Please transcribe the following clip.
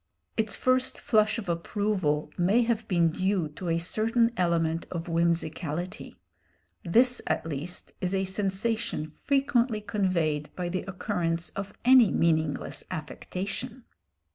Its first flush of approval may have been due to a certain element of whimsicality. This at least is a sensation frequently conveyed by the occurrence of any meaningless affectation.